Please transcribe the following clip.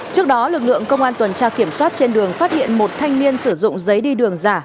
trước đó lực lượng công an tuần tra kiểm soát trên đường phát hiện một thanh niên sử dụng giấy đi đường giả